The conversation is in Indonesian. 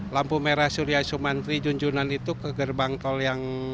lampu merah surya sumantri junjunan itu ke gerbang tol yang